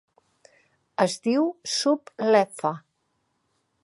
Es diu Sub Leffa.